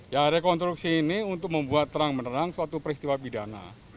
ya rekonstruksi ini untuk membuat terang menerang suatu peristiwa pidana